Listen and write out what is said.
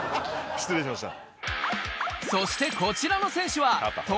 失礼しました。